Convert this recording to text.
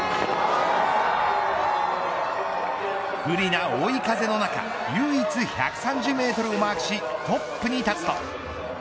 不利な追い風の中唯一１３０メートルをマークしトップに立つと。